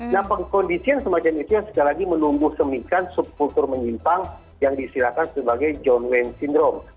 nah pengkondisian semacam itu yang sekali lagi menunggu seminggan seputar menyimpang yang disilakan sebagai john wayne syndrome